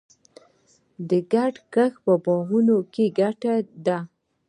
ګډ کښت په باغونو کې ګټور دی.